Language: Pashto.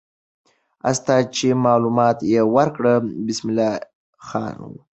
استاد چې معلومات یې ورکړل، بسم الله خان وو.